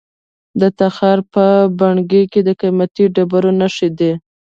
د تخار په بنګي کې د قیمتي ډبرو نښې دي.